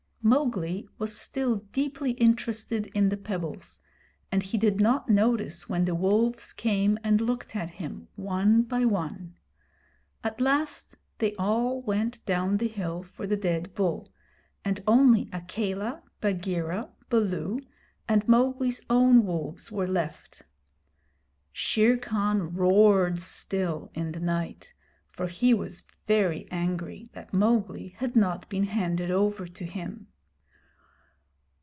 Mowgli was still deeply interested in the pebbles, and he did not notice when the wolves came and looked at him one by one. At last they all went down the hill for the dead bull, and only Akela, Bagheera, Baloo, and Mowgli's own wolves were left. Shere Khan roared still in the night, for he was very angry that Mowgli had not been handed over to him.